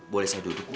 boleh saya duduk bu